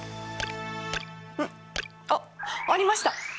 うんあっありました。